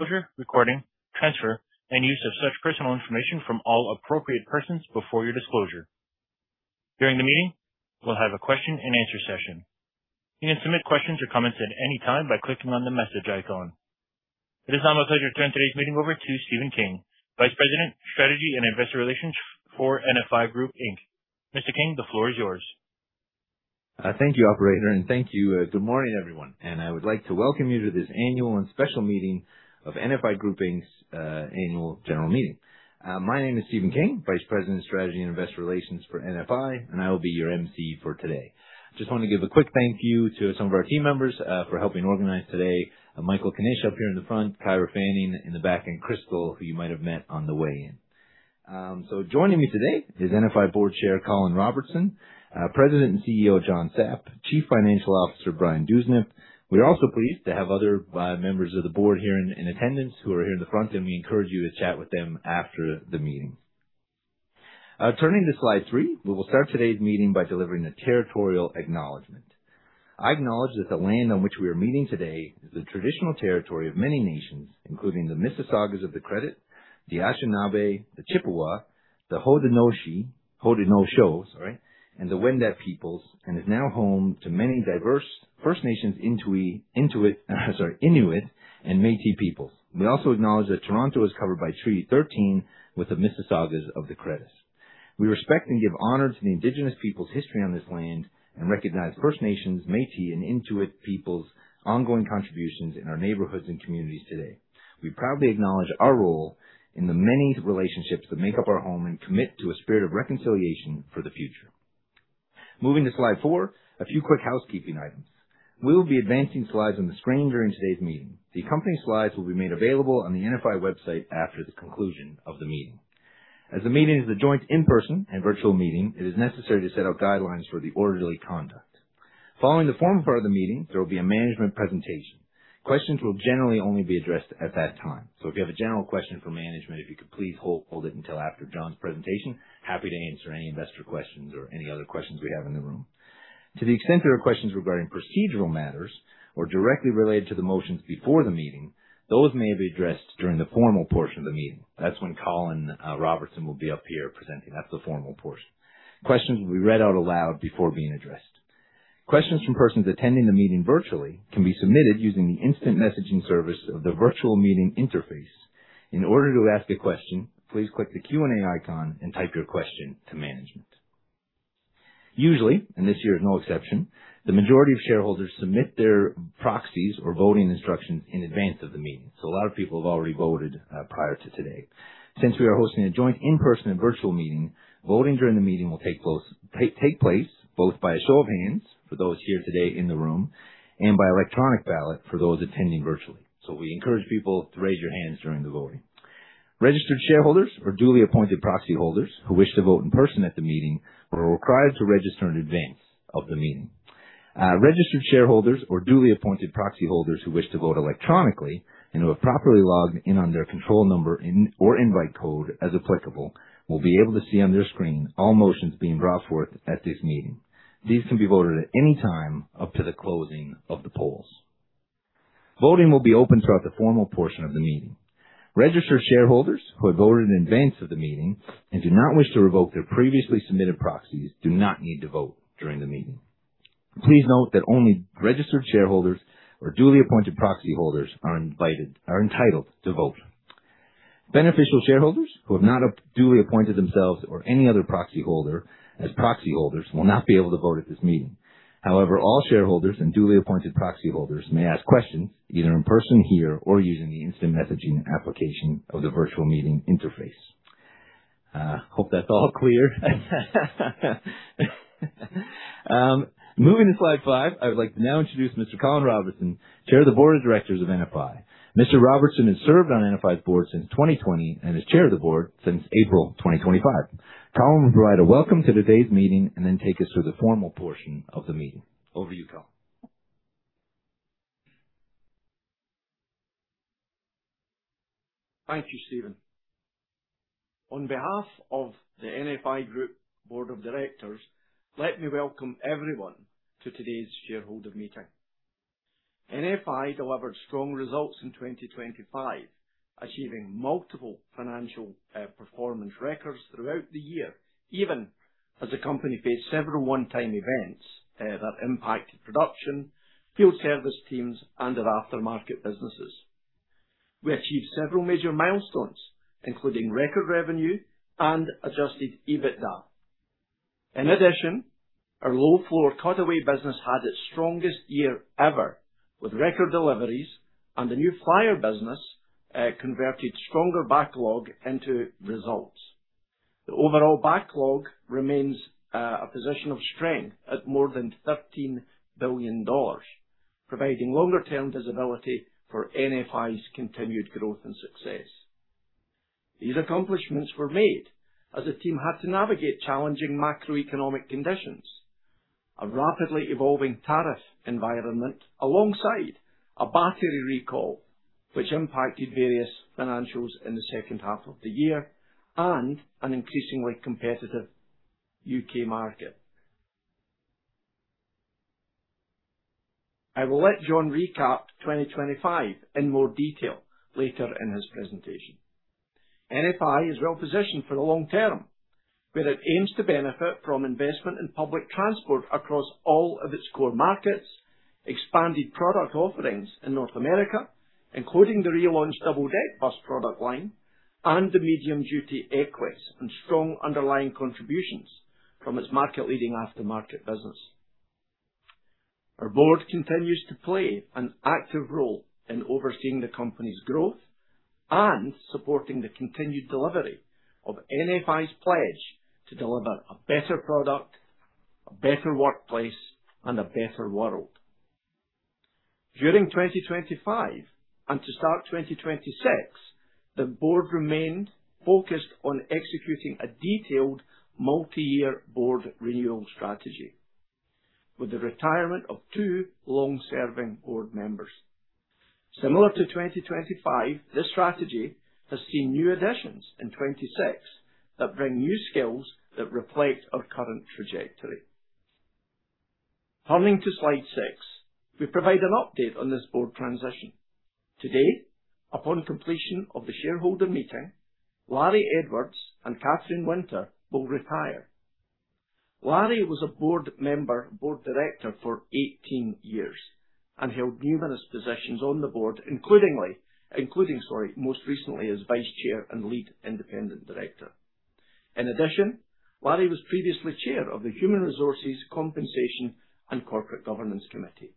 Recording, transfer, and use of such personal information from all appropriate persons before your disclosure. During the meeting, we'll have a question and answer session. You can submit questions or comments at any time by clicking on the message icon. It is now my pleasure to turn today's meeting over to Stephen King, Vice President, Strategy and Investor Relations for NFI Group Inc. Mr. King, the floor is yours. Thank you, operator, and thank you. Good morning, everyone. I would like to welcome you to this annual and special meeting of NFI Group Inc.'s annual general meeting. My name is Stephen King, Vice President of Strategy and Investor Relations for NFI, and I will be your emcee for today. Just want to give a quick thank you to some of our team members for helping organize today. Michael Kanish up here in the front, Kyra Fanning in the back, and Crystal, who you might have met on the way in. Joining me today is NFI Board Chair Colin Robertson, President and CEO John Sapp, Chief Financial Officer Brian Dewsnup. We are also pleased to have other members of the board here in attendance who are here in the front, and we encourage you to chat with them after the meeting. Turning to slide 3, we will start today's meeting by delivering a territorial acknowledgment. I acknowledge that the land on which we are meeting today is the traditional territory of many nations, including the Mississaugas of the Credit, the Anishinaabe, the Chippewa, the Haudenosaunee, sorry, and the Wendat peoples, and is now home to many diverse First Nations Inuit and Métis peoples. We also acknowledge that Toronto is covered by Treaty 13 with the Mississaugas of the Credit. We respect and give honor to the Indigenous people's history on this land and recognize First Nations, Métis, and Inuit peoples' ongoing contributions in our neighborhoods and communities today. We proudly acknowledge our role in the many relationships that make up our home and commit to a spirit of reconciliation for the future. Moving to slide 4, a few quick housekeeping items. We will be advancing slides on the screen during today's meeting. The accompanying slides will be made available on the NFI website after the conclusion of the meeting. As the meeting is a joint in-person and virtual meeting, it is necessary to set out guidelines for the orderly conduct. Following the formal part of the meeting, there will be a management presentation. Questions will generally only be addressed at that time. If you have a general question for management, if you could please hold it until after John's presentation. Happy to answer any investor questions or any other questions we have in the room. To the extent there are questions regarding procedural matters or directly related to the motions before the meeting, those may be addressed during the formal portion of the meeting. That's when Colin Robertson will be up here presenting. That's the formal portion. Questions will be read out aloud before being addressed. Questions from persons attending the meeting virtually can be submitted using the instant messaging service of the virtual meeting interface. In order to ask a question, please click the Q&A icon and type your question to management. Usually, this year is no exception, the majority of shareholders submit their proxies or voting instructions in advance of the meeting. A lot of people have already voted prior to today. Since we are hosting a joint in-person and virtual meeting, voting during the meeting will take place both by a show of hands for those here today in the room and by electronic ballot for those attending virtually. We encourage people to raise your hands during the voting. Registered shareholders or duly appointed proxy holders who wish to vote in person at the meeting are required to register in advance of the meeting. Registered shareholders or duly appointed proxy holders who wish to vote electronically and who have properly logged in on their control number in or invite code, as applicable, will be able to see on their screen all motions being brought forth at this meeting. These can be voted at any time up to the closing of the polls. Voting will be open throughout the formal portion of the meeting. Registered shareholders who have voted in advance of the meeting and do not wish to revoke their previously submitted proxies do not need to vote during the meeting. Please note that only registered shareholders or duly appointed proxy holders are entitled to vote. Beneficial shareholders who have not duly appointed themselves or any other proxy holder as proxy holders will not be able to vote at this meeting. However, all shareholders and duly appointed proxy holders may ask questions either in person here or using the instant messaging application of the virtual meeting interface. Hope that's all clear. Moving to slide 5. I would like to now introduce Mr. Colin Robertson, Chair of the Board of Directors of NFI. Mr. Robertson has served on NFI's board since 2020 and is Chair of the board since April 2025. Colin will provide a welcome to today's meeting and then take us through the formal portion of the meeting. Over to you, Colin. Thank you, Stephen. On behalf of the NFI Group Board of Directors, let me welcome everyone to today's shareholder meeting. NFI delivered strong results in 2025, achieving multiple financial performance records throughout the year, even as the company faced several one-time events that impacted production, field service teams, and our aftermarket businesses. We achieved several major milestones, including record revenue and adjusted EBITDA. In addition, our low-floor cutaway business had its strongest year ever, with record deliveries, and the New Flyer business converted stronger backlog into results. The overall backlog remains a position of strength at more than 13 billion dollars, providing longer-term visibility for NFI's continued growth and success. These accomplishments were made as the team had to navigate challenging macroeconomic conditions, a rapidly evolving tariff environment, alongside a battery recall which impacted various financials in the second half of the year and an increasingly competitive U.K. market. I will let John recap 2025 in more detail later in his presentation. NFI is well-positioned for the long term, where it aims to benefit from investment in public transport across all of its core markets, expanded product offerings in North America, including the relaunched double-deck bus product line and the medium-duty Xcelsior and strong underlying contributions from its market-leading aftermarket business. Our board continues to play an active role in overseeing the company's growth and supporting the continued delivery of NFI's pledge to deliver a better product, a better workplace, and a better world. During 2025 and to start 2026, the Board remained focused on executing a detailed multi-year Board renewal strategy with the retirement of two long-serving Board members. Similar to 2025, this strategy has seen new additions in 2026 that bring new skills that reflect our current trajectory. Turning to slide 6, we provide an update on this Board transition. Today, upon completion of the shareholder meeting, Larry Edwards and Katherine Winter will retire. Larry was a Board member, Board Director for 18 years and held numerous positions on the Board, including, most recently as Vice Chair and Lead Independent Director. In addition, Larry was previously Chair of the Human Resources, Compensation, and Corporate Governance Committee.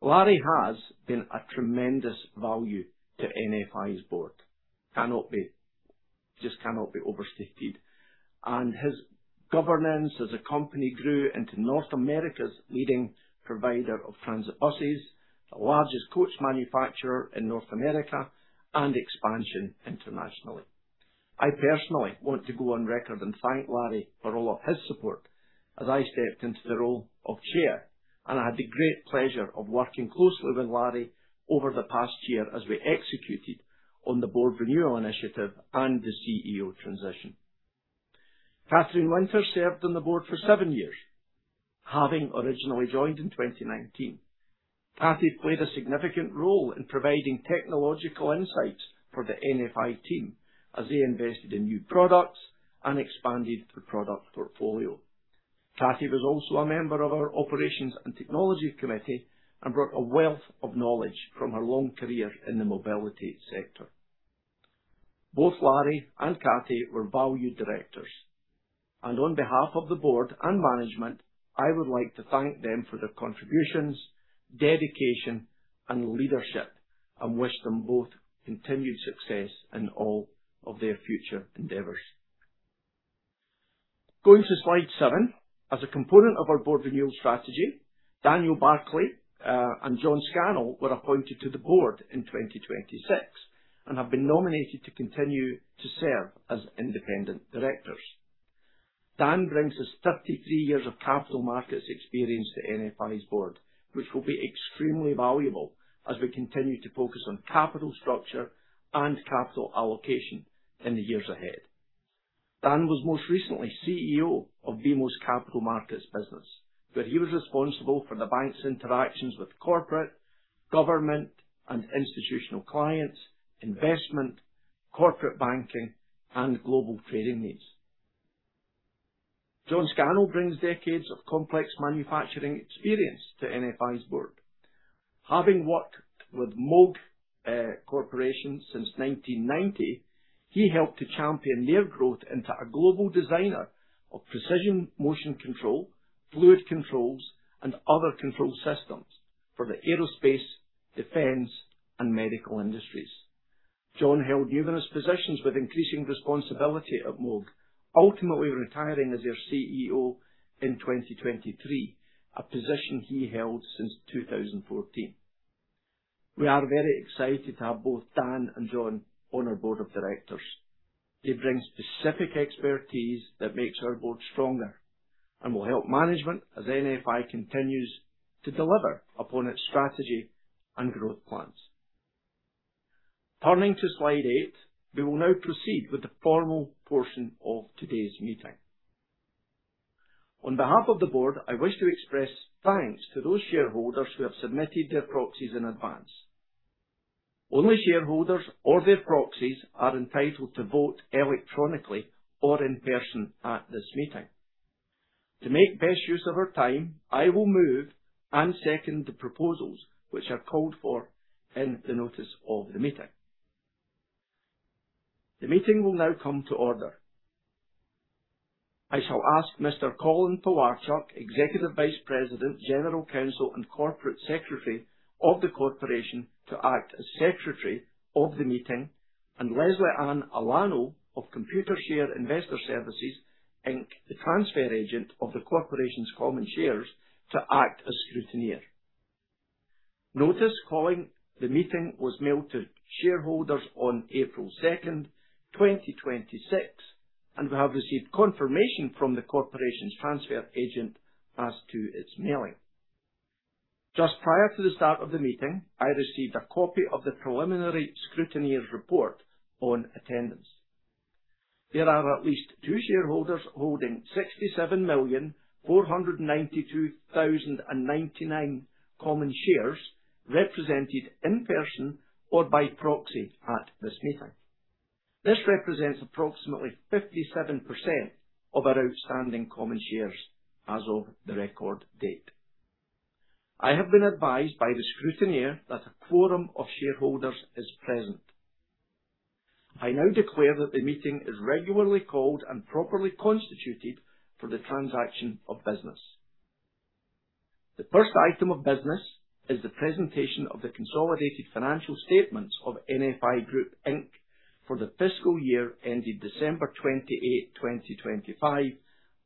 Larry has been a tremendous value to NFI's Board. Cannot be overstated. His governance as a company grew into North America's leading provider of transit buses, the largest coach manufacturer in North America, and expansion internationally. I personally want to go on record and thank Larry Edwards for all of his support as I stepped into the role of chair, and I had the great pleasure of working closely with Larry Edwards over the past year as we executed on the Board Renewal Initiative and the CEO Transition. Katherine Winter served on the board for seven years. Having originally joined in 2019, Cathy played a significant role in providing technological insights for the NFI team as they invested in new products and expanded the product portfolio. Cathy was also a member of our Operations and Technology Committee and brought a wealth of knowledge from her long career in the mobility sector. Both Larry and Katherine were valued directors. On behalf of the board and management, I would like to thank them for their contributions, dedication, and leadership and wish them both continued success in all of their future endeavors. Going to slide 7, as a component of our board renewal strategy, Daniel Barclay and John Scannell were appointed to the board in 2026 and have been nominated to continue to serve as independent directors. Dan brings us 33 years of capital markets experience to NFI's board, which will be extremely valuable as we continue to focus on capital structure and capital allocation in the years ahead. Dan was most recently CEO of BMO Capital Markets, where he was responsible for the bank's interactions with corporate, government, and institutional clients, investment, corporate banking, and global trading needs. John Scannell brings decades of complex manufacturing experience to NFI's board. Having worked with Moog Inc. since 1990, he helped to champion their growth into a global designer of precision motion control, fluid controls, and other control systems for the aerospace, defense, and medical industries. John held numerous positions with increasing responsibility at Moog, ultimately retiring as their CEO in 2023, a position he held since 2014. We are very excited to have both Daniel Barclay and John on our board of directors. They bring specific expertise that makes our board stronger and will help management as NFI continues to deliver upon its strategy and growth plans. Turning to slide 8, we will now proceed with the formal portion of today's meeting. On behalf of the board, I wish to express thanks to those shareholders who have submitted their proxies in advance. Only shareholders or their proxies are entitled to vote electronically or in person at this meeting. To make best use of our time, I will move and second the proposals which are called for in the notice of the meeting. The meeting will now come to order. I shall ask Mr. Colin Pewarchuk, Executive Vice President, General Counsel, and Corporate Secretary of the Corporation, to act as Secretary of the meeting and Lesley Anne Alano of Computershare Investor Services Inc., the transfer agent of the Corporation's common shares, to act as scrutineer. Notice calling the meeting was mailed to shareholders on April 2nd, 2026, and we have received confirmation from the Corporation's transfer agent as to its mailing. Just prior to the start of the meeting, I received a copy of the preliminary scrutineer's report on attendance. There are at least two shareholders holding 67,492,099 common shares represented in person or by proxy at this meeting. This represents approximately 57% of our outstanding common shares as of the record date. I have been advised by the scrutineer that a quorum of shareholders is present. I now declare that the meeting is regularly called and properly constituted for the transaction of business. The first item of business is the presentation of the consolidated financial statements of NFI Group Inc. for the fiscal year ended December 28th, 2025,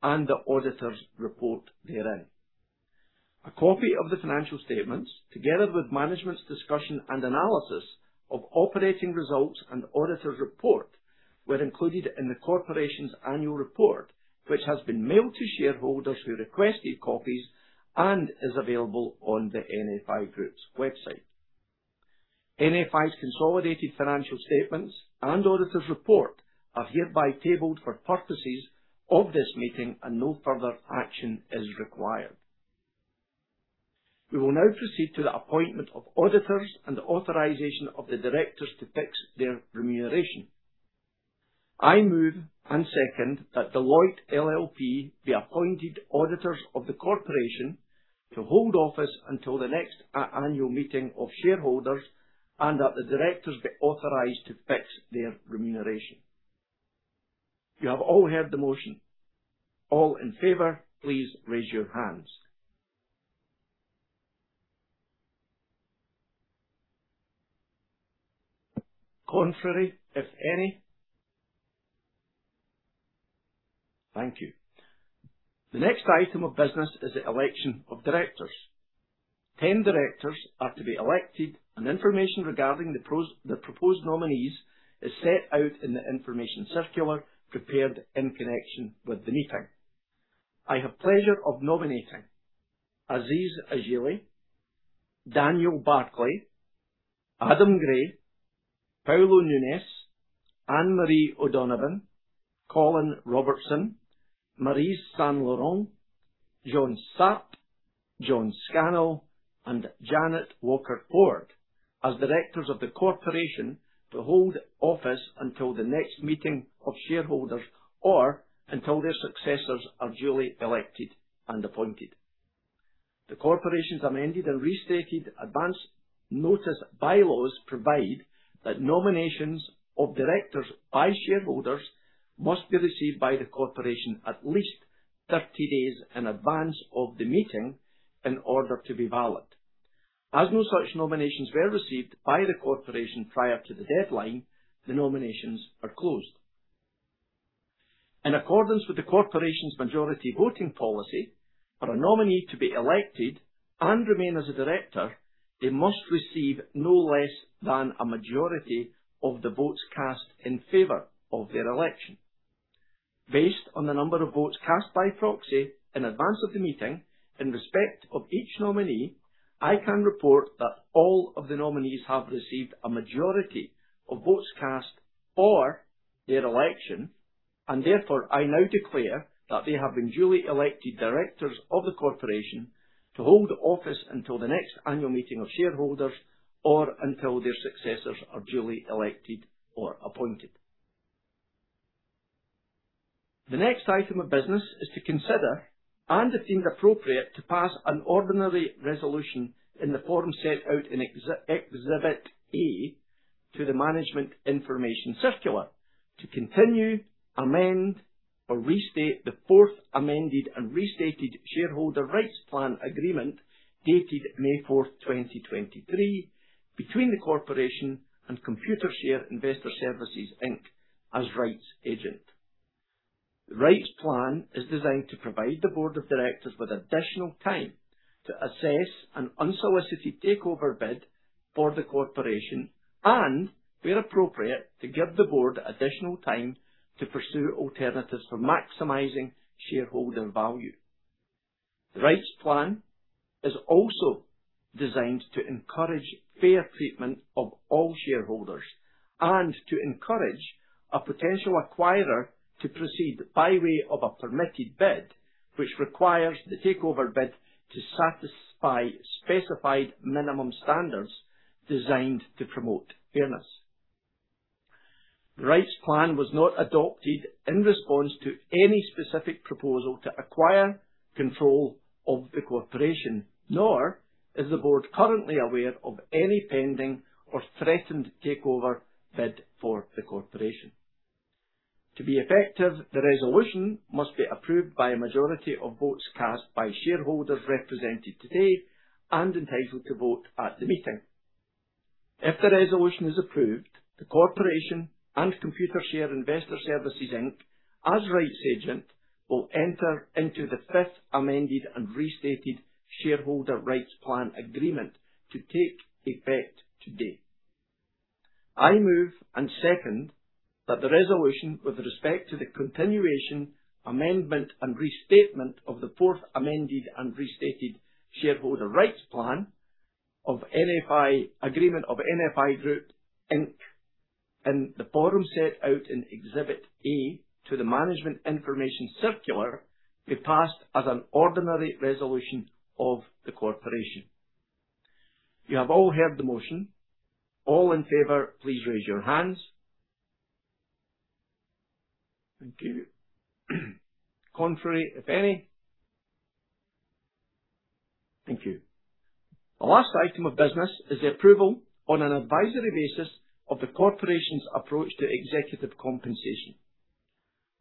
and the auditor's report therein. A copy of the financial statements, together with management's discussion and analysis of operating results and auditor's report, were included in the corporation's annual report, which has been mailed to shareholders who requested copies and is available on the NFI Group's website. NFI's consolidated financial statements and auditor's report are hereby tabled for purposes of this meeting, and no further action is required. We will now proceed to the appointment of auditors and the authorization of the directors to fix their remuneration. I move and second that Deloitte LLP be appointed auditors of the corporation to hold office until the next annual meeting of shareholders, and that the directors be authorized to fix their remuneration. You have all heard the motion. All in favor, please raise your hands. Contrary, if any. Thank you. The next item of business is the election of directors. 10 directors are to be elected, and information regarding the proposed nominees is set out in the information circular prepared in connection with the meeting. I have pleasure of nominating Aziz Aghili, Daniel Barclay, Adam Gray, Paulo Nunes, Anne-Marie O'Donovan, Colin Robertson, Maryse Saint-Laurent, John Sapp, John Scannell, and Jannet Walker-Ford as directors of the corporation to hold office until the next meeting of shareholders or until their successors are duly elected and appointed. The corporation's amended and restated advanced notice bylaws provide that nominations of directors by shareholders must be received by the corporation at least 30 days in advance of the meeting in order to be valid. As no such nominations were received by the corporation prior to the deadline, the nominations are closed. In accordance with the corporation's majority voting policy, for a nominee to be elected and remain as a director, they must receive no less than a majority of the votes cast in favor of their election. Based on the number of votes cast by proxy in advance of the meeting, in respect of each nominee, I can report that all of the nominees have received a majority of votes cast for their election. Therefore, I now declare that they have been duly elected directors of the corporation to hold office until the next annual meeting of shareholders or until their successors are duly elected or appointed. The next item of business is to consider and, if deemed appropriate, to pass an ordinary resolution in the form set out in Exhibit A to the management information circular to continue, amend, or restate the Fourth Amended and Restated Shareholder Rights Plan Agreement dated May 4th, 2023, between the Corporation and Computershare Investor Services Inc. as rights agent. The rights plan is designed to provide the board of directors with additional time to assess an unsolicited takeover bid for the Corporation and, where appropriate, to give the board additional time to pursue alternatives for maximizing shareholder value. The rights plan is also designed to encourage fair treatment of all shareholders and to encourage a potential acquirer to proceed by way of a permitted bid, which requires the takeover bid to satisfy specified minimum standards designed to promote fairness. The rights plan was not adopted in response to any specific proposal to acquire control of the corporation, nor is the board currently aware of any pending or threatened takeover bid for the corporation. To be effective, the resolution must be approved by a majority of votes cast by shareholders represented today and entitled to vote at the meeting. If the resolution is approved, the Corporation and Computershare Investor Services Inc., as rights agent, will enter into the Fifth Amended and Restated Shareholder Rights Plan Agreement to take effect today. I move and second that the resolution with respect to the continuation, amendment, and restatement of the Fourth Amended and Restated Shareholder Rights Plan Agreement of NFI Group Inc in the form set out in Exhibit A to the management information circular be passed as an ordinary resolution of the corporation. You have all heard the motion. All in favor, please raise your hands. Thank you. Contrary, if any. Thank you. The last item of business is the approval on an advisory basis of the corporation's approach to executive compensation.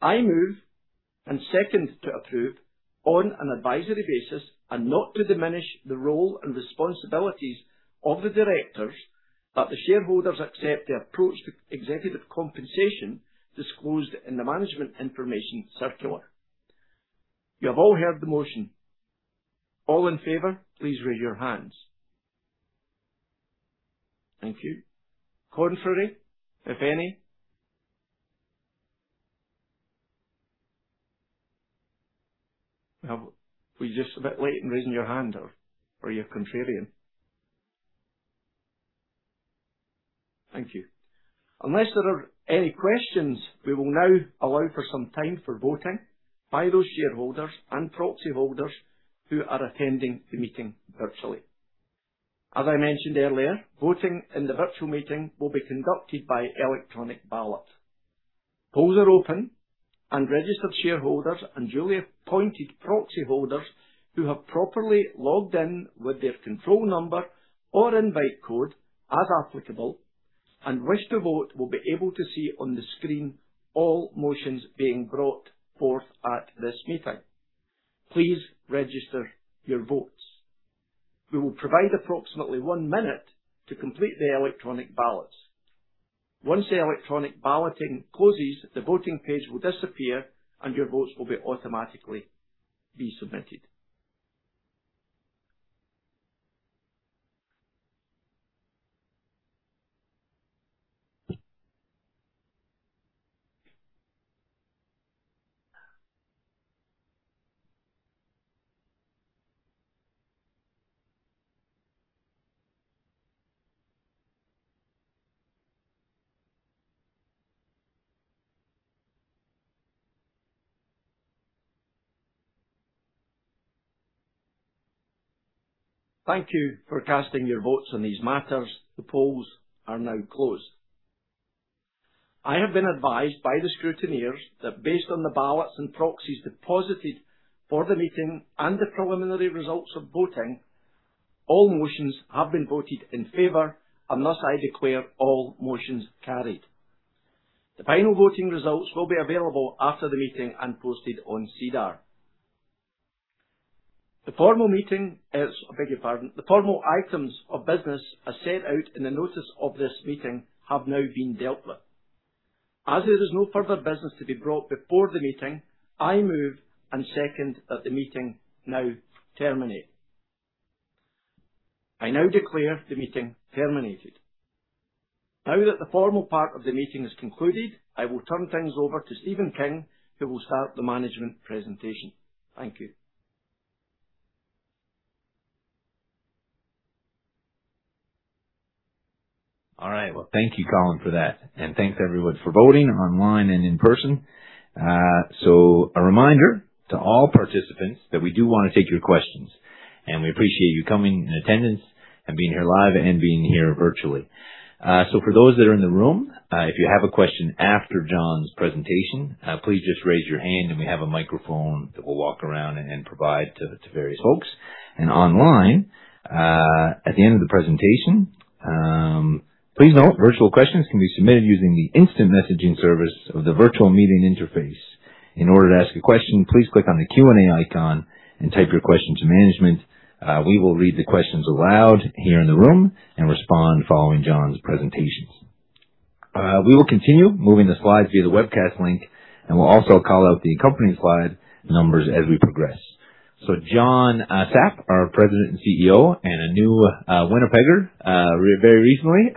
I move and second to approve on an advisory basis and not to diminish the role and responsibilities of the directors that the shareholders accept the approach to executive compensation disclosed in the management information circular. You have all heard the motion. All in favor, please raise your hands. Thank you. Contrary, if any. Well, were you just a bit late in raising your hand or you're contrarian? Thank you. Unless there are any questions, we will now allow for some time for voting by those shareholders and proxy holders who are attending the meeting virtually. As I mentioned earlier, voting in the virtual meeting will be conducted by electronic ballot. Polls are open, and registered shareholders and duly appointed proxy holders who have properly logged in with their control number or invite code, as applicable, and wish to vote, will be able to see on the screen all motions being brought forth at this meeting. Please register your votes. We will provide approximately one minute to complete the electronic ballots. Once the electronic balloting closes, the voting page will disappear, and your votes will automatically be submitted. Thank you for casting your votes on these matters. The polls are now closed. I have been advised by the scrutineers that based on the ballots and proxies deposited for the meeting and the preliminary results of voting, all motions have been voted in favor, and thus I declare all motions carried. The final voting results will be available after the meeting and posted on SEDAR. I beg your pardon. The formal items of business as set out in the notice of this meeting have now been dealt with. As there is no further business to be brought before the meeting, I move and second that the meeting now terminate. I now declare the meeting terminated. Now that the formal part of the meeting is concluded, I will turn things over to Stephen King, who will start the management presentation. Thank you. Well, thank you, Colin, for that. Thanks everyone for voting online and in person. A reminder to all participants that we do want to take your questions, and we appreciate you coming in attendance and being here live and being here virtually. For those that are in the room, if you have a question after John's presentation, please just raise your hand and we have a microphone that we'll walk around and provide to various folks. Online, at the end of the presentation, please note virtual questions can be submitted using the instant messaging service of the virtual meeting interface. In order to ask a question, please click on the Q&A icon and type your question to management. We will read the questions aloud here in the room and respond following John's presentations. We will continue moving the slides via the webcast link, and we'll also call out the accompanying slide numbers as we progress. John Sapp, our President and CEO, and a new Winnipegger very recently,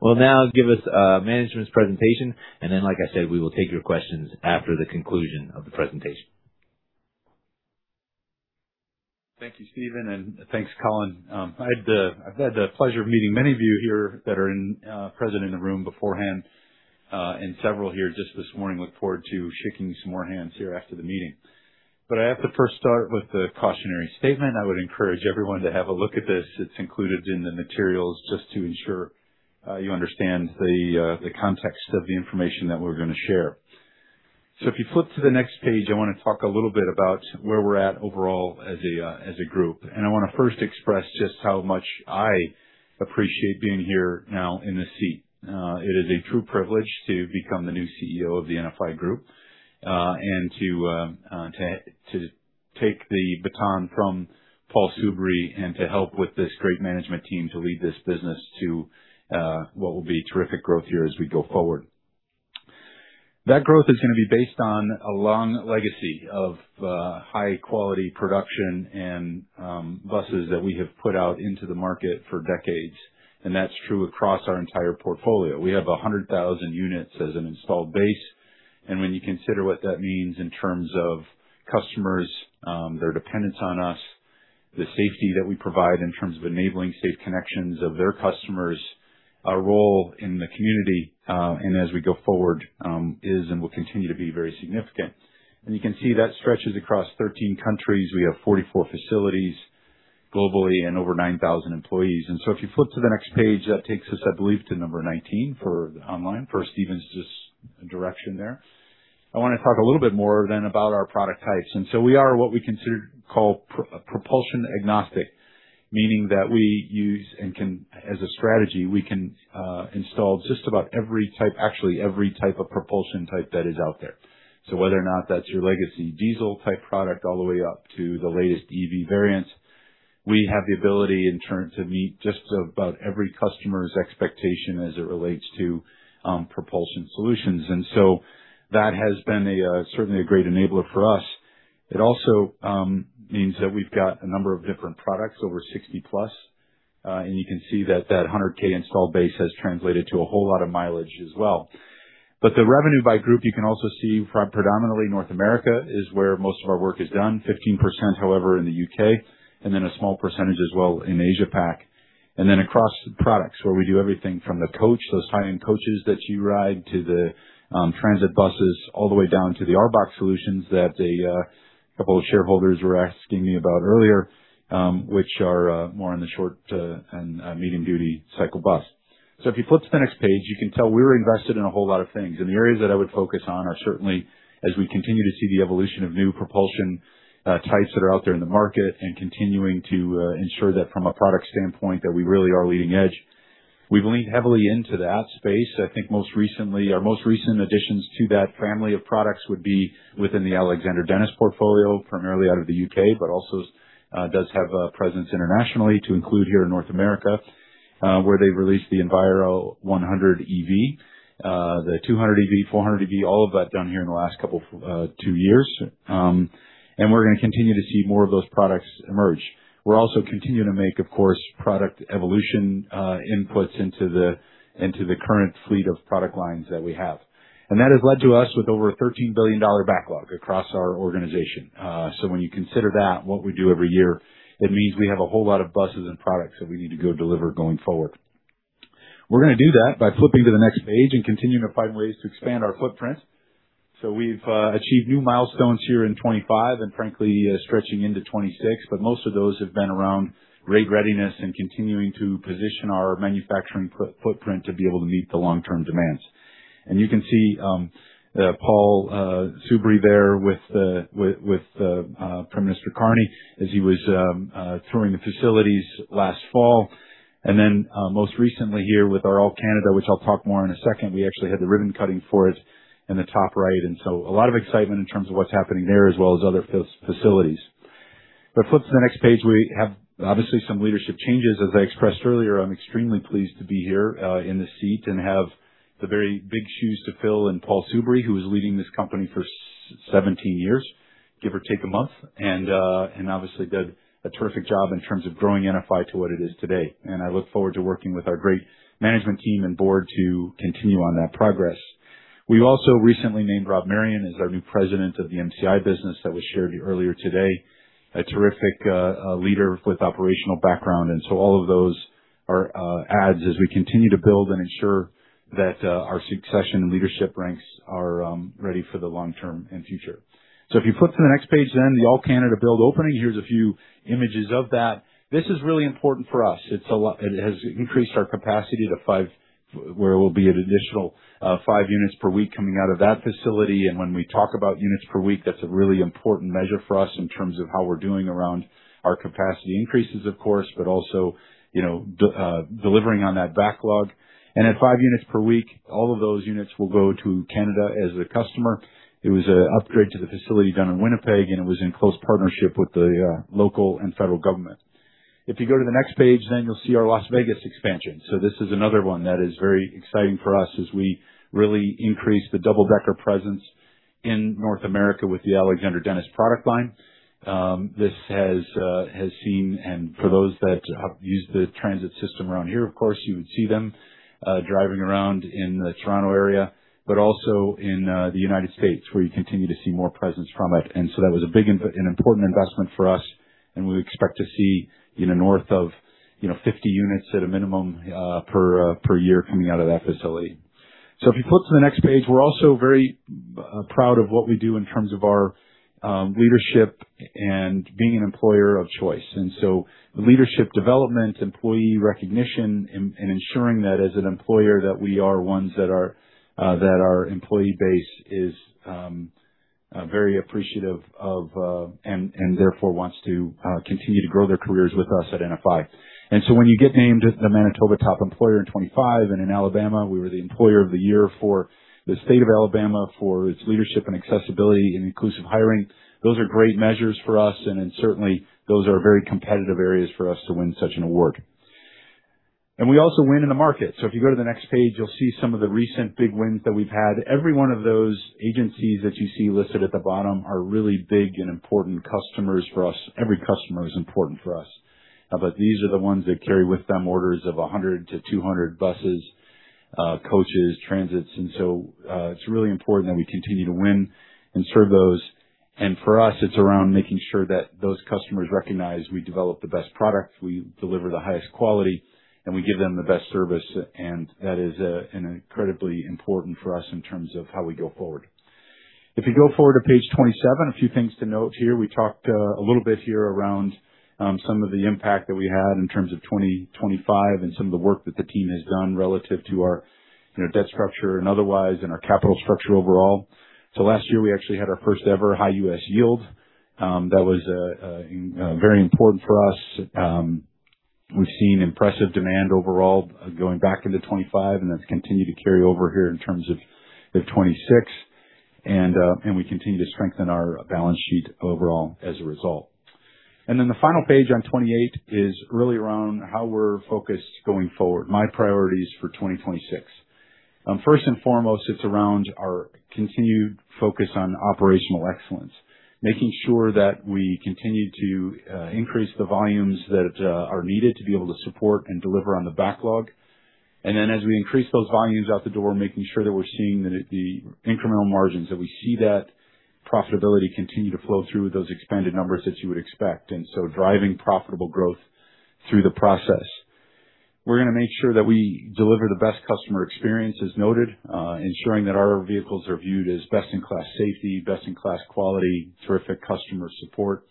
will now give us management's presentation. Like I said, we will take your questions after the conclusion of the presentation. Thank you, Stephen. Thanks, Colin. I've had the pleasure of meeting many of you here that are present in the room beforehand, and several here just this morning. Look forward to shaking some more hands here after the meeting. I have to first start with the cautionary statement. I would encourage everyone to have a look at this. It's included in the materials just to ensure you understand the context of the information that we're gonna share. If you flip to the next page, I wanna talk a little bit about where we're at overall as a group. I wanna first express just how much I appreciate being here now in this seat. It is a true privilege to become the new CEO of NFI Group and to take the baton from Paul Soubry and to help with this great management team to lead this business to what will be terrific growth here as we go forward. That growth is gonna be based on a long legacy of high quality production and buses that we have put out into the market for decades, and that's true across our entire portfolio. We have 100,000 units as an installed base. When you consider what that means in terms of customers, their dependence on us, the safety that we provide in terms of enabling safe connections of their customers, our role in the community, and as we go forward, is and will continue to be very significant. You can see that stretches across 13 countries. We have 44 facilities globally and over 9,000 employees. If you flip to the next page, that takes us, I believe, to number 19 for online, for Stephen's just direction there. I want to talk a little bit more then about our product types. We are what we consider call propulsion agnostic, meaning that we use and can, as a strategy, we can install just about every type, actually every type of propulsion type that is out there. Whether or not that's your legacy diesel type product, all the way up to the latest EV variants, we have the ability in turn to meet just about every customer's expectation as it relates to propulsion solutions. That has been a, certainly a great enabler for us. It also means that we've got a number of different products, over 60+. You can see that that 100K install base has translated to a whole lot of mileage as well. The revenue by group, you can also see predominantly North America is where most of our work is done. 15%, however, in the U.K., a small percentage as well in Asia Pac. Across products, where we do everything from the coach, those high-end coaches that you ride, to the transit buses, all the way down to the ARBOC solutions that a couple of shareholders were asking me about earlier, which are more on the short and medium duty cycle bus. If you flip to the next page, you can tell we're invested in a whole lot of things. The areas that I would focus on are certainly as we continue to see the evolution of new propulsion types that are out there in the market and continuing to ensure that from a product standpoint that we really are leading edge. We've leaned heavily into that space. I think most recently, our most recent additions to that family of products would be within the Alexander Dennis portfolio, primarily out of the U.K., but also does have a presence internationally to include here in North America, where they released the Enviro100EV, the Enviro200EV, Enviro400EV, all of that done here in the last couple, two years. We're gonna continue to see more of those products emerge. We're also continuing to make, of course, product evolution, inputs into the current fleet of product lines that we have. That has led to us with over a 13 billion dollar backlog across our organization. When you consider that, what we do every year, it means we have a whole lot of buses and products that we need to go deliver going forward. We're gonna do that by flipping to the next page and continuing to find ways to expand our footprint. We've achieved new milestones here in 2025 and frankly, stretching into 2026, but most of those have been around rate readiness and continuing to position our manufacturing footprint to be able to meet the long-term demands. You can see Paul Soubry there with the Prime Minister Carney as he was touring the facilities last fall. Most recently here with our All-Canadian, which I'll talk more in a second, we actually had the ribbon cutting for it in the top right. A lot of excitement in terms of what's happening there as well as other facilities. If you flip to the next page, we have obviously some leadership changes. As I expressed earlier, I'm extremely pleased to be here in this seat and have the very big shoes to fill in Paul Soubry, who was leading this company for 17 years, give or take a month. Obviously did a terrific job in terms of growing NFI to what it is today. I look forward to working with our great management team and board to continue on that progress. We also recently named Rob Marion as our new president of the MCI business that was shared earlier today. A terrific leader with operational background. All of those are adds as we continue to build and ensure that our succession leadership ranks are ready for the long-term and future. If you flip to the next page, the All-Canada Build opening, here's a few images of that. This is really important for us. It has increased our capacity to 5, where we'll be at additional 5 units per week coming out of that facility. When we talk about units per week, that's a really important measure for us in terms of how we're doing around our capacity increases, of course, but also, you know, delivering on that backlog. At 5 units per week, all of those units will go to Canada as the customer. It was a upgrade to the facility down in Winnipeg, and it was in close partnership with the local and federal government. If you go to the next page, you'll see our Las Vegas expansion. This is another one that is very exciting for us as we really increase the double-decker presence in North America with the Alexander Dennis product line. This has seen, and for those that have used the transit system around here, of course, you would see them driving around in the Toronto area, but also in the United States, where you continue to see more presence from it. That was an important investment for us, and we expect to see, you know, north of, you know, 50 units at a minimum, per year coming out of that facility. If you flip to the next page, we're also very proud of what we do in terms of our leadership and being an employer of choice. Leadership development, employee recognition, and ensuring that as an employer that we are ones that our employee base is very appreciative of and therefore wants to continue to grow their careers with us at NFI. When you get named the Manitoba Top Employer in 2025 and in Alabama, we were the Employer of the Year for the state of Alabama for its leadership and accessibility in inclusive hiring, those are great measures for us. Certainly those are very competitive areas for us to win such an award. We also win in the market. If you go to the next page, you'll see some of the recent big wins that we've had. Every one of those agencies that you see listed at the bottom are really big and important customers for us. Every customer is important for us. These are the ones that carry with them orders of 100 buses-200 buses, coaches, transits. It's really important that we continue to win and serve those. For us, it's around making sure that those customers recognize we develop the best products, we deliver the highest quality, and we give them the best service. That is incredibly important for us in terms of how we go forward. If you go forward to page 27, a few things to note here. We talked a little bit here around some of the impact that we had in terms of 2025 and some of the work that the team has done relative to our, you know, debt structure and otherwise in our capital structure overall. Last year, we actually had our first-ever high U.S. yield, that was very important for us. We've seen impressive demand overall going back into 2025, and that's continued to carry over here in terms of 2026. We continue to strengthen our balance sheet overall as a result. The final page on 28 is really around how we're focused going forward. My priorities for 2026. First and foremost, it's around our continued focus on operational excellence, making sure that we continue to increase the volumes that are needed to be able to support and deliver on the backlog. As we increase those volumes out the door, making sure that we're seeing the incremental margins, that we see that profitability continue to flow through those expanded numbers that you would expect. Driving profitable growth through the process. We're gonna make sure that we deliver the best customer experience as noted, ensuring that our vehicles are viewed as best-in-class safety, best-in-class quality, terrific customer support.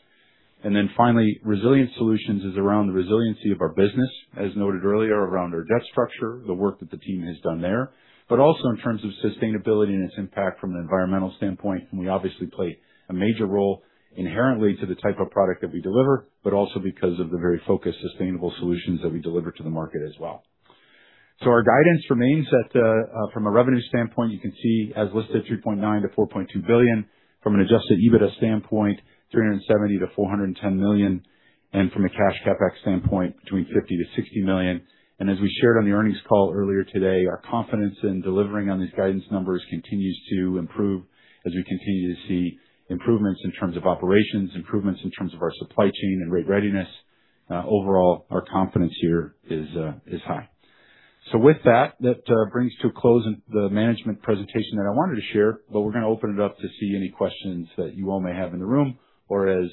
Finally, Resilient Solutions is around the resiliency of our business, as noted earlier, around our debt structure, the work that the team has done there, but also in terms of sustainability and its impact from an environmental standpoint. We obviously play a major role inherently to the type of product that we deliver, but also because of the very focused, sustainable solutions that we deliver to the market as well. Our guidance remains that, from a revenue standpoint, you can see as listed 3.9 billion-4.2 billion. From an adjusted EBITDA standpoint, 370 million-410 million. From a cash CapEx standpoint, between 50 million-60 million. As we shared on the earnings call earlier today, our confidence in delivering on these guidance numbers continues to improve as we continue to see improvements in terms of operations, improvements in terms of our supply chain and rate readiness. Overall, our confidence here is high. With that brings to a close the management presentation that I wanted to share, but we're gonna open it up to see any questions that you all may have in the room or as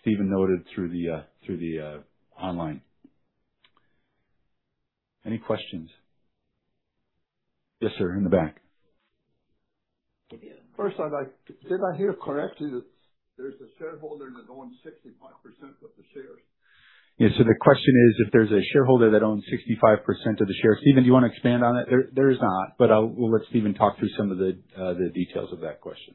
Stephen noted through the online. Any questions? Yes, sir. In the back. First, did I hear correctly that there's a shareholder that owns 65% of the shares? Yeah. The question is if there's a shareholder that owns 65% of the shares. Stephen, do you want to expand on that? There is not, but we'll let Stephen talk through some of the details of that question.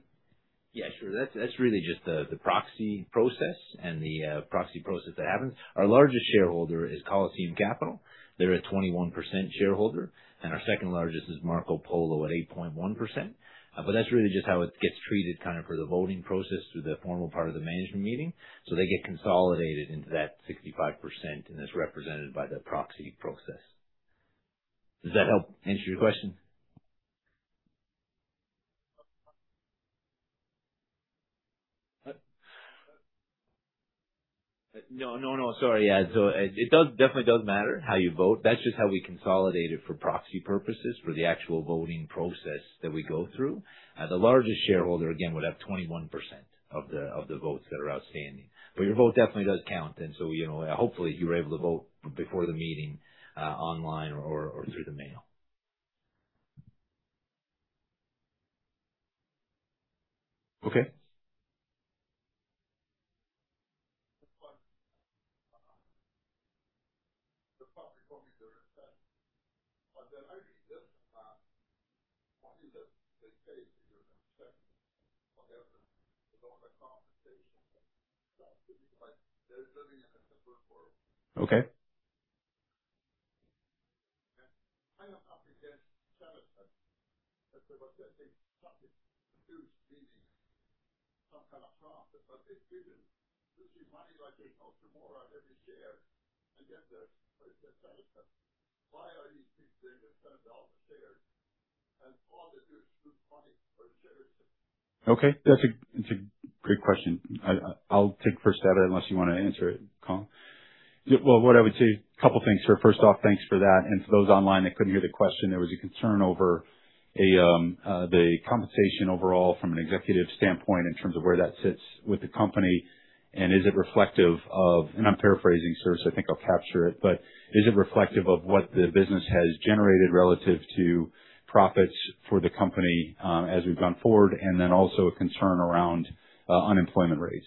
Sure. That's really just the proxy process and the proxy process that happens. Our largest shareholder is Coliseum Capital. They're a 21% shareholder, and our second largest is Marcopolo at 8.1%. That's really just how it gets treated kind of for the voting process through the formal part of the management meeting. They get consolidated into that 65%, and that's represented by the proxy process. Does that help answer your question? No, no. Sorry. Yeah. It does, definitely does matter how you vote. That's just how we consolidate it for proxy purposes, for the actual voting process that we go through. The largest shareholder, again, would have 21% of the votes that are outstanding. Your vote definitely does count. You know, hopefully, you were able to vote before the meeting, online or through the mail. Okay. That's a great question. I'll take first at it unless you want to answer it, Colin. Well, what I would say, a couple things, sir. First off, thanks for that. For those online that couldn't hear the question, there was a concern over the compensation overall from an executive standpoint in terms of where that sits with the company and is it reflective of I'm paraphrasing, sir, so I think I'll capture it. Is it reflective of what the business has generated relative to profits for the company as we've gone forward, and then also a concern around unemployment rates.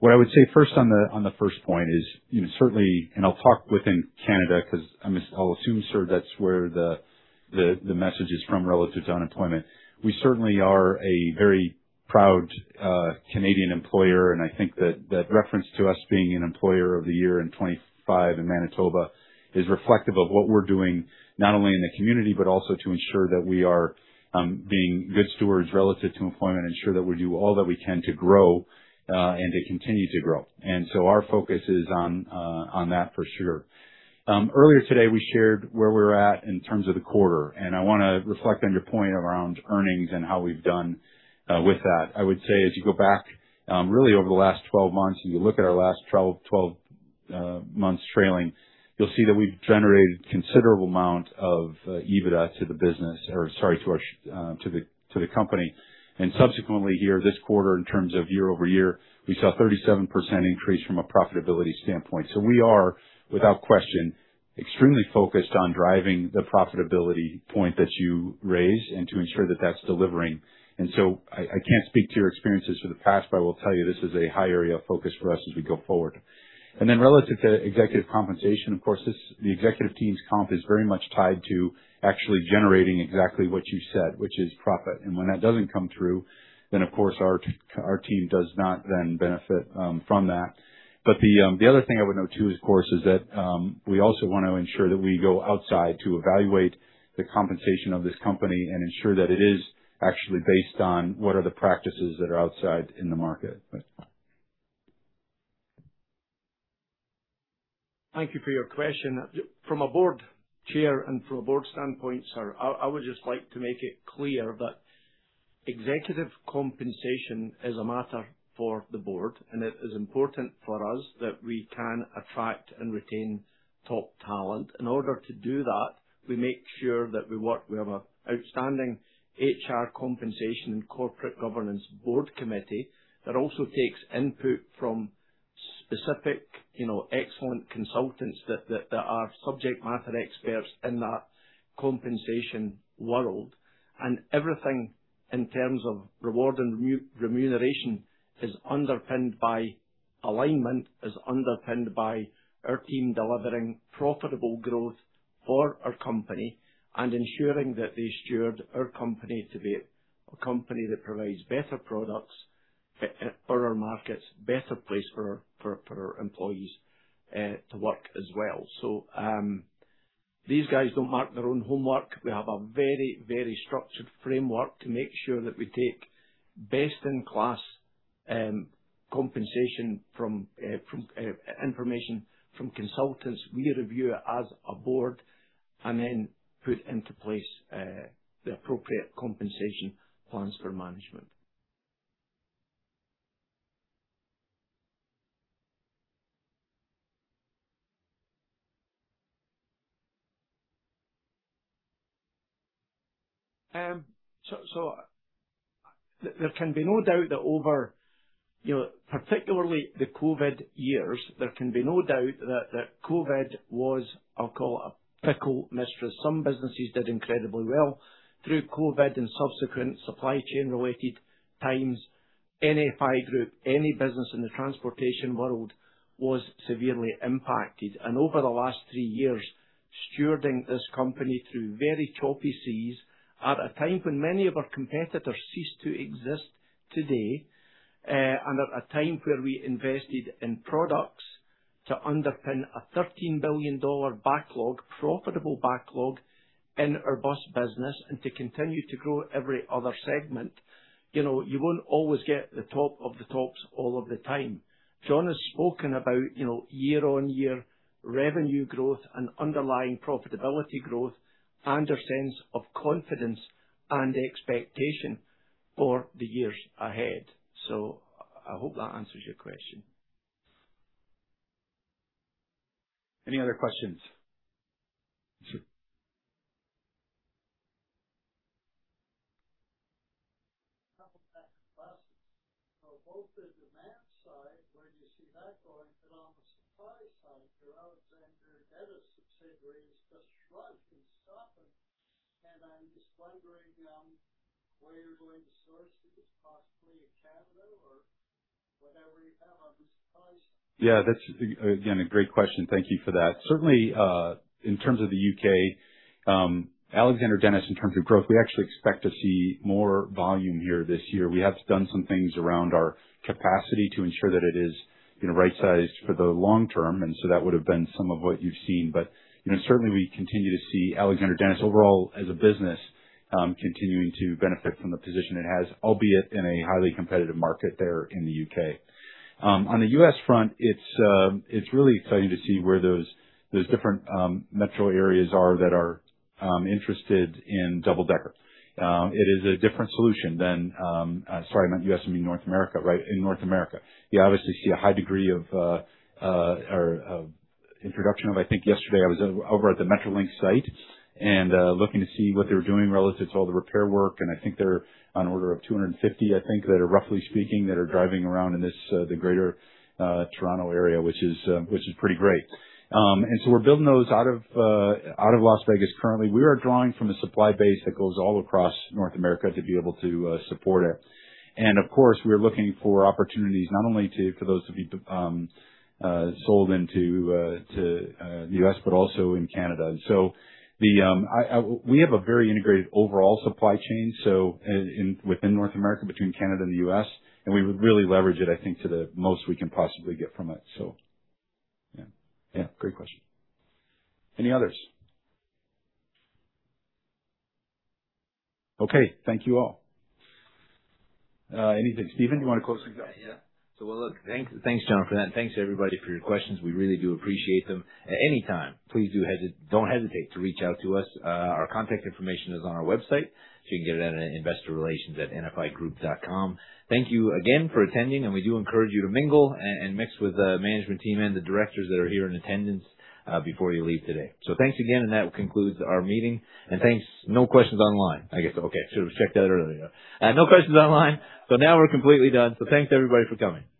What I would say first on the first point is, you know, certainly, and I'll talk within Canada because I'll assume, sir, that's where the message is from relative to unemployment. We certainly are a very proud Canadian employer, and I think that that reference to us being an employer of the year in 2025 in Manitoba is reflective of what we're doing, not only in the community, but also to ensure that we are being good stewards relative to employment, ensure that we do all that we can to grow and to continue to grow. Our focus is on that for sure. Earlier today, we shared where we're at in terms of the quarter, and I wanna reflect on your point around earnings and how we've done with that. I would say as you go back, really over the last 12 months and you look at our last 12 months trailing, you'll see that we've generated considerable amount of EBITDA to the business, or sorry, to the company. Subsequently here, this quarter, in terms of year-over-year, we saw 37% increase from a profitability standpoint. We are, without question, extremely focused on driving the profitability point that you raised and to ensure that that's delivering. I can't speak to your experiences for the past, but I will tell you this is a high area of focus for us as we go forward. Relative to executive compensation, of course, the executive team's comp is very much tied to actually generating exactly what you said, which is profit. When that doesn't come through, then of course our team does not then benefit from that. The other thing I would note too is, of course, is that we also wanna ensure that we go outside to evaluate the compensation of this company and ensure that it is actually based on what are the practices that are outside in the market. Thank you for your question. From a board chair and from a board standpoint, sir, I would just like to make it clear that executive compensation is a matter for the board, and it is important for us that we can attract and retain top talent. In order to do that, we make sure that we work. We have an outstanding HR compensation and corporate governance board committee that also takes input from specific, you know, excellent consultants that are subject matter experts in that compensation world. Everything in terms of reward and remuneration is underpinned by alignment, is underpinned by our team delivering profitable growth for our company and ensuring that they steward our company to be a company that provides better products for our markets, better place for our employees to work as well. These guys don't mark their own homework. We have a very structured framework to make sure that we take best-in-class compensation from information from consultants. We review it as a board and then put into place the appropriate compensation plans for management. There can be no doubt that over, you know, particularly the COVID years, there can be no doubt that COVID was, I'll call it a fickle mistress. Some businesses did incredibly well through COVID and subsequent supply chain related times. NFI Group, any business in the transportation world was severely impacted. Over the last three years, stewarding this company through very choppy seas at a time when many of our competitors ceased to exist today, and at a time where we invested in products to underpin a 13 billion dollar backlog, profitable backlog in our bus business and to continue to grow every other segment. You know, you won't always get the top of the tops all of the time. John has spoken about, you know, year-over-year revenue growth and underlying profitability growth and a sense of confidence and expectation for the years ahead. I hope that answers your question. Any other questions? Double-decker buses. Both the demand side, where do you see that going? On the supply side, your Alexander Dennis subsidiary has just shrunk and stopping. I'm just wondering where you're going to source it. It's possibly in Canada or whatever you have on the supply side. Yeah, that's again, a great question. Thank you for that. Certainly, in terms of the U.K., Alexander Dennis in terms of growth, we actually expect to see more volume here this year. We have done some things around our capacity to ensure that it is, you know, right-sized for the long term. That would have been some of what you've seen. You know, certainly we continue to see Alexander Dennis overall as a business, continuing to benefit from the position it has, albeit in a highly competitive market there in the U.K. On the U.S. front, it's really exciting to see where those different metro areas are that are interested in double-decker. It is a different solution than, sorry, not U.S., you mean North America, right? In North America. You obviously see a high degree of introduction of. I think yesterday I was over at the Metrolinx site and looking to see what they were doing relative to all the repair work, and I think they're on order of 250, I think, that are, roughly speaking, that are driving around in this, the greater Toronto area, which is pretty great. We're building those out of Las Vegas currently. We are drawing from a supply base that goes all across North America to be able to support it. Of course, we're looking for opportunities not only to, for those to be sold into, to the U.S., but also in Canada. We have a very integrated overall supply chain, so in within North America, between Canada and the U.S., and we would really leverage it, I think, to the most we can possibly get from it. Yeah, great question. Any others? Okay. Thank you, all. Anything? Stephen, you wanna close this out? Well, look, thanks John for that and thanks everybody for your questions. We really do appreciate them. At any time, please do don't hesitate to reach out to us. Our contact information is on our website, so you can get it at investorrelations@nfigroup.com. Thank you again for attending, and we do encourage you to mingle and mix with the management team and the directors that are here in attendance before you leave today. Thanks again, and that concludes our meeting. Thanks. No questions online, I guess. Okay. Should've checked that earlier. No questions online, so now we're completely done. Thanks everybody for coming. Thanks.